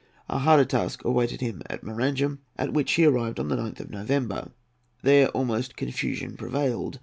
A harder task awaited him at Maranham, at which he arrived on the 9th of November. There the utmost confusion prevailed.